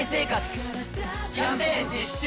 キャンペーン実施中！